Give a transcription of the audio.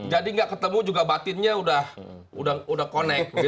jadi nggak ketemu juga batinnya sudah connect